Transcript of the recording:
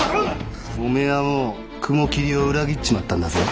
お前はもう雲霧を裏切っちまったんだぜ。